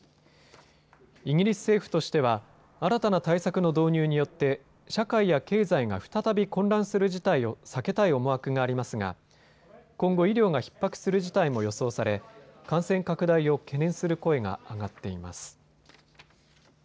イギリス政府としては新たな対策の導入によって社会や経済が再び混乱する事態を避けたい思惑がありますが今後、医療がひっ迫する事態も予想され感染拡大を懸念する声が上がっています。